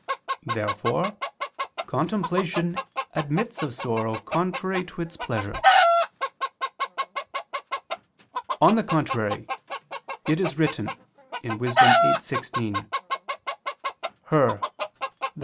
Therefore contemplation admits of sorrow contrary to its pleasure. On the contrary, It is written (Wis. 8:16): "Her," i.